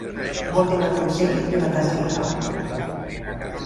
Vol donar consell i la casa li cau.